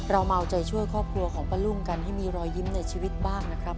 เรามาเอาใจช่วยครอบครัวของป้ารุ่งกันให้มีรอยยิ้มในชีวิตบ้างนะครับ